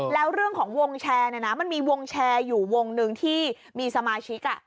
แล้วเรื่องของวงแชร์เนี่ยนะมันมีวงแชร์อยู่วงหนึ่งที่มีสมาชิก